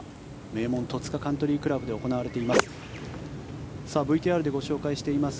名門、戸塚カントリー倶楽部で行われています。